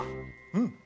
うん。